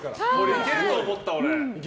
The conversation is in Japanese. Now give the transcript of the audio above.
いけると思った、俺。